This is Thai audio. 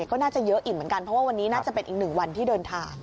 ก็น่าจะเยอะอีกเหมือนกันเพราะว่าวันนี้น่าจะเป็นอีกหนึ่งวันที่เดินทาง